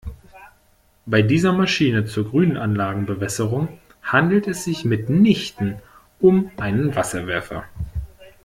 Bei dieser Maschine zur Grünanlagenbewässerung handelt es sich mitnichten um einen Wasserwerfer.